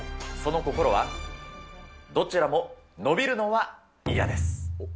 その心は、どちらも伸びるのは嫌です。